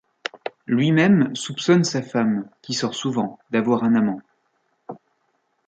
Lui-même soupçonne sa femme, qui sort souvent, d'avoir un amant.